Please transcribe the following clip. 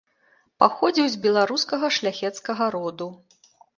Паходзіў з беларускага шляхецкага роду.